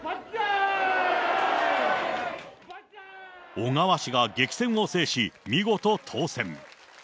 小川氏が激戦を制し、見事当選。